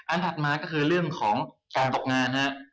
อันถัดมาก็คือเรื่องของตกงาน